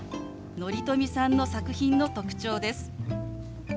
乘富さんの作品の特徴です。